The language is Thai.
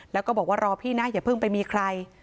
แล้วก็บอกว่ารอพี่นะอย่าเพิ่งไปมีใคร